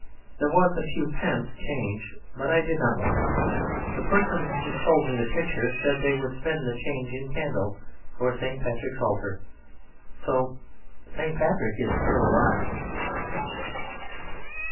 There was a few pence change, but I did not want it. The person who sold me the picture said they would spend the change in candles for St. Patrick's altar. So St. Patrick is still alive.